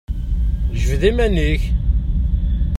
Jbed-d iman-ik!